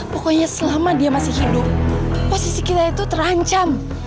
pokoknya selama dia masih hidup posisi kita itu terancam